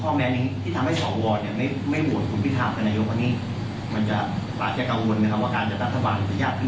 มันอาจจะส่งบนอาจจะได้ยินข้อแม้นี้ที่ทำให้สหวัวเนี่ยไม่บวชคุณพิธาปนายกว่านี้